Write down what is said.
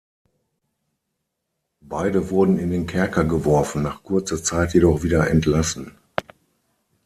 Beide wurden in den Kerker geworfen, nach kurzer Zeit jedoch wieder entlassen.